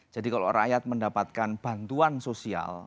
jadi kalau rakyat mendapatkan bantuan sosial